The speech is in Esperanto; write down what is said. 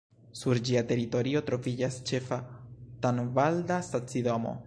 Sur ĝia teritorio troviĝas ĉefa tanvalda stacidomo.